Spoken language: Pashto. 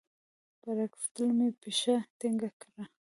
پر اکسلېټر مي پښه ټینګه کړه !